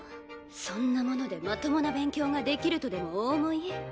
そんなものでまともな勉強ができるとでもお思い？